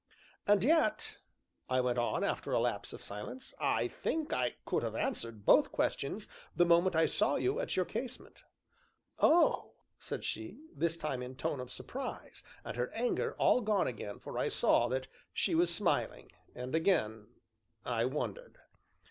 "And yet," I went on, after a lapse of silence, "I think I could have answered both questions the moment I saw you at your casement." "Oh!" said she this time in a tone of surprise, and her anger all gone again, for I saw that she was smiling; and again I wondered.